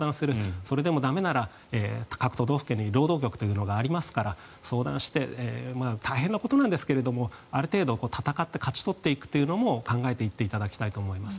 それでも駄目なら各都道府県に労働局がありますから相談して大変なことなんですけどもある程度闘って勝ち取っていくというのも考えていっていただきたいと思います。